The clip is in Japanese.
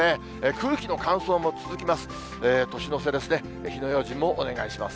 空気の乾燥も続きます。